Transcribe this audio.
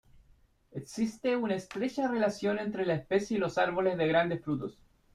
Existe una estrecha relación entre la especie y los árboles de grandes frutos.